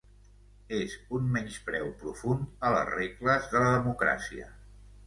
És un menyspreu profund a les regles de la democràcia.